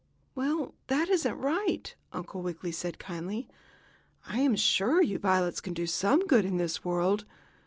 "Well, that isn't right," Uncle Wiggily said, kindly. "I am sure you violets can do some good in this world.